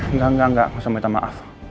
enggak enggak enggak usah minta maaf